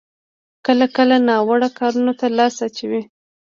کله کله ناوړه کارونو ته لاس اچوي.